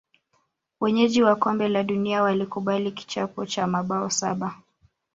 wenyeji wa kombe la dunia walikubali kichapo cha mabao saba